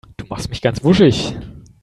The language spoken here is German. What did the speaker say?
Du machst mich ganz wuschig.